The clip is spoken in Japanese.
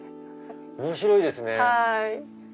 面白いですね！